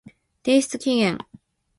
提出期限